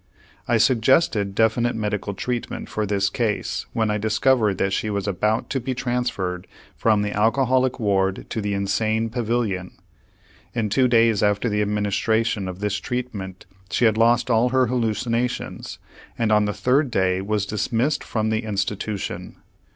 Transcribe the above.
I suggested definite medical treatment for this case when I discovered that she was about to be transferred from the alcoholic ward to the insane pavilion. In two days after the administration of this treatment she had lost all her hallucinations, and on the third day was dismissed from the institution.